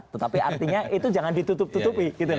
tetapi artinya itu jangan ditutup tutupi